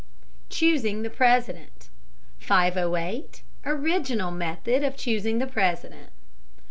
CHOOSING THE PRESIDENT 508. ORIGINAL METHOD OF CHOOSING THE PRESIDENT.